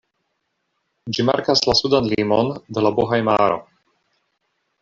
Ĝi markas la sudan limon de la Bohaj-maro.